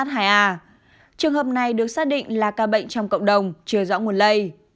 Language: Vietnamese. trường hợp này được xác định là ca bệnh trong cộng đồng chưa rõ nguồn lây